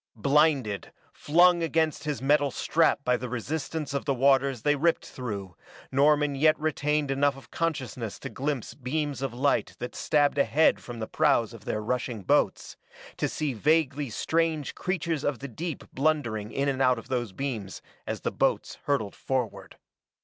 Blinded, flung against his metal strap by the resistance of the waters they ripped through, Norman yet retained enough of consciousness to glimpse beams of light that stabbed ahead from the prows of their rushing boats, to see vaguely strange creatures of the deep blundering in and out of those beams as the boats hurtled forward.